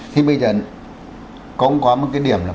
thì bây giờ cũng có một cái điểm là